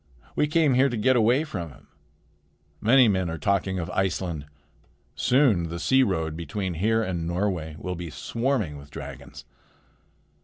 We came here to get away from him. Many men are talking of Iceland. Soon the sea road between here and Norway will be swarming with dragons."